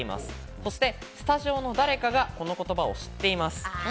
そして、スタジオの誰かがこの言葉を知っています。